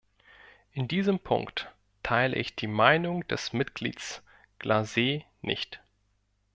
In diesem Punkt teile ich die Meinung des Mitglieds Glase nicht.